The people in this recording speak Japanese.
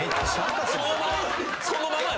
そのまま。